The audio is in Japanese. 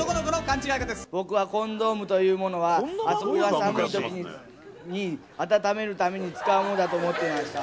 僕はコンドームというものはあそこが寒い時にあたためるために使うものだと思っていました。